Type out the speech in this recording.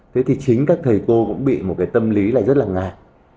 thế thì chính các thầy cô cũng bị một cái tâm lý lại rất là ngạc